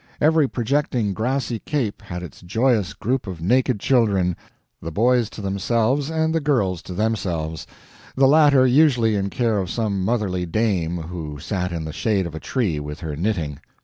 Every projecting grassy cape had its joyous group of naked children, the boys to themselves and the girls to themselves, the latter usually in care of some motherly dame who sat in the shade of a tree with her knitting.